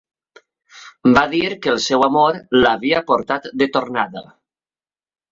Va dir que el seu amor, l'havia portat de tornada.